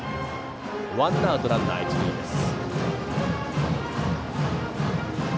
ワンアウトランナー、一塁です。